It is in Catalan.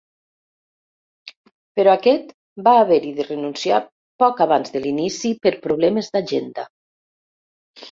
Però aquest va haver-hi de renunciar poc abans de l'inici per problemes d'agenda.